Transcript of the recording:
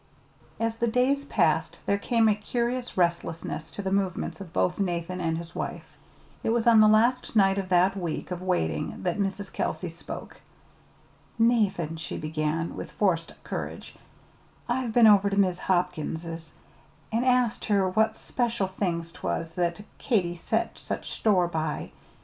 As the days passed, there came a curious restlessness to the movements of both Nathan and his wife. It was on the last night of that week of waiting that Mrs. Kelsey spoke. "Nathan," she began, with forced courage, "I've been over to Mis' Hopkins's an' asked her what special things 'twas that Katy set such store by.